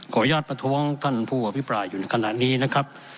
ประท้วงท่านผู้อภิปรายอยู่ในขณะนี้นะครับ